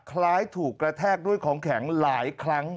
คล้ายถูกกระแทกด้วยของแข็งหลายครั้ง